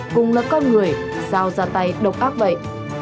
cùng là con người giao ra tay độc ác vậy